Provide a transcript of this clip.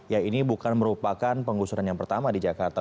ya ini bukan merupakan penggusuran yang pertama di jakarta